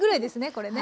これね。